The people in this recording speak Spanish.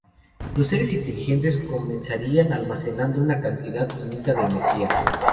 Los seres inteligentes comenzarían almacenando una cantidad finita de energía.